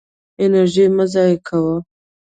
انرژي مه ضایع کوه.